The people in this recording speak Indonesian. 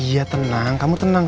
iya tenang kamu tenang